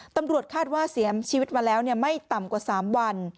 ตำรวจคาดว่าเสียชีวิตมาแล้วไม่ต่ำกว่า๓วัน